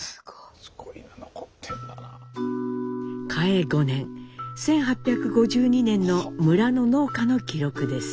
嘉永５年１８５２年の村の農家の記録です。